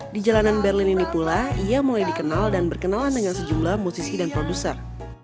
di jalanan berlin ini pula ia mulai dikenal dan berkenalan dengan sejumlah musisi dan produser